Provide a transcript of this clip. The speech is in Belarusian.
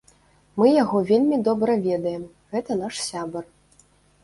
Мы яго вельмі добра ведаем, гэта наш сябар.